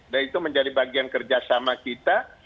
dan itu menjadi bagian kerjasama kita